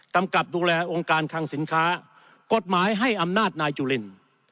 กำกับดูแลองค์การคังสินค้ากฎหมายให้อำนาจนายจุลิน